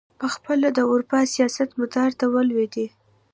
پخپله د اروپا سیاست مدار ته ولوېدی.